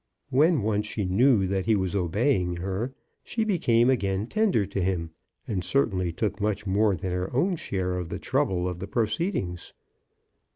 When once she knew that he was obeying her, she became again tender to him, and certainly took much more than her own share of the trouble of the proceedings.